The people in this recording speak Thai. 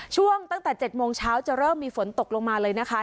ตั้งแต่๗โมงเช้าจะเริ่มมีฝนตกลงมาเลยนะคะ